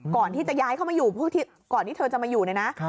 ก่อนที่จะย้ายเข้ามาอยู่ก่อนที่เธอจะมาอยู่เนี่ยนะ